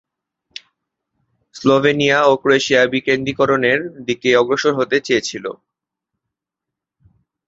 Slovenia ও Croatia বিকেন্দ্রীকরণের দিকে অগ্রসর হতে চেয়েছিল।